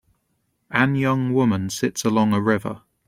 An young woman sits along a river.